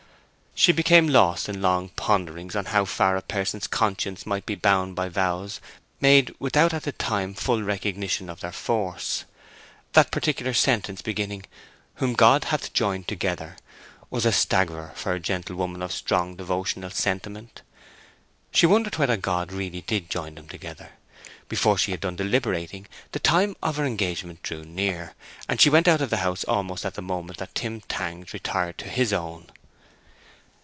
She became lost in long ponderings on how far a person's conscience might be bound by vows made without at the time a full recognition of their force. That particular sentence, beginning "Whom God hath joined together," was a staggerer for a gentlewoman of strong devotional sentiment. She wondered whether God really did join them together. Before she had done deliberating the time of her engagement drew near, and she went out of the house almost at the moment that Tim Tangs retired to his own.